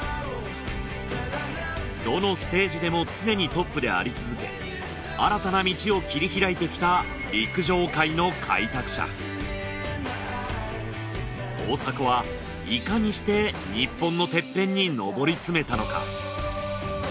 どのステージでも常にトップであり続け新たな道を切り開いてきた大迫はいかにして日本のテッペンに上り詰めたのか。